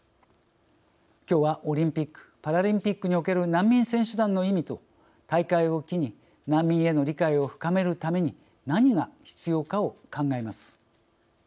きょうはオリンピックパラリンピックにおける難民選手団の意味と大会を機に難民への理解を深めるために何が必要かを考えます。